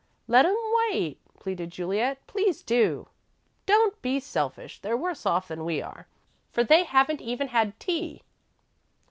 "Let 'em wait," pleaded Juliet. "Please do!" "Don't be so selfish! They're worse off than we are, for they haven't even had tea."